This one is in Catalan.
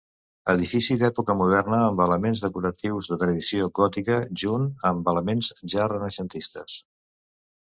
Edifici d'època moderna amb elements decoratius de tradició gòtica junt amb elements ja renaixentistes.